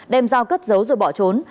đem dao cất giấu rồi bỏ trốn